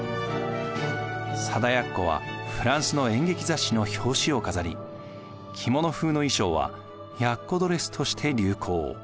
貞奴はフランスの演劇雑誌の表紙を飾り着物風の衣装はヤッコドレスとして流行。